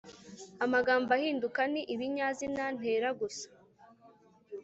amagambo ahinduka ni ibinyazina, ntera gusa